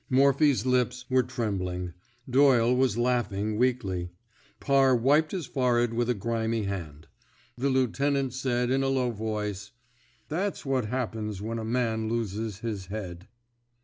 Morphy's lips were trem bling. Doyle was laughing weakly. Parr wiped his forehead with a grimy hand. The lieutenant said, in a low voice: That's what happens when a man loses his head.'